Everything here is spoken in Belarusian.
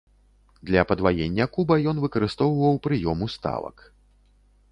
Для падваення куба ён выкарыстоўваў прыём уставак.